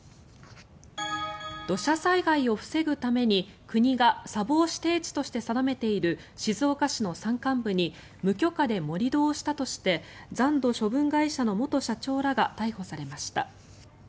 土砂災害を防ぐために国が砂防指定地として定めている静岡市の山間部に無許可で盛り土をしたとして残土処分会社の元社長らが逮捕されました。